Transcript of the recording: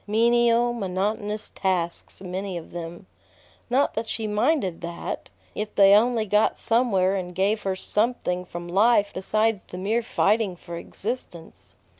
Menial, monotonous tasks many of them. Not that she minded that, if they only got somewhere and gave her something from life besides the mere fighting for existence.